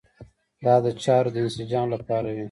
دا د چارو د انسجام لپاره وي.